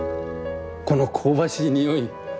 この香ばしい匂い。